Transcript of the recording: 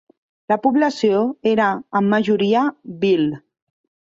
La població era en majoria bhil.